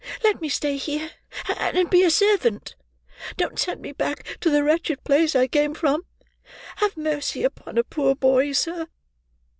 Let me stay here, and be a servant. Don't send me back to the wretched place I came from. Have mercy upon a poor boy, sir!"